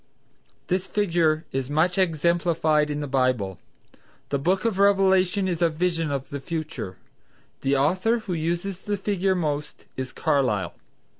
This figure is much exemplified in the Bible. The book of Revelation is a vision of the future. The author who uses the figure most is Carlyle.